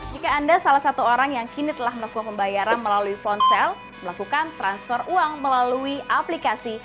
jika anda salah satu orang yang kini telah melakukan pembayaran melalui ponsel melakukan transfer uang melalui aplikasi